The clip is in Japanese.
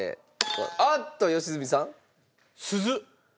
おっと良純さん。鈴？